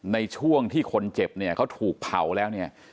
ในช่วงที่คนเจ็บเนี่ยเขาถูกเผาแล้วเนี่ย